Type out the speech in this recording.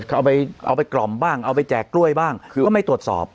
ก็เอาไปกล่อมบ้างเอาไปแจกกล้วยบ้างก็ไม่ตรวจสอบ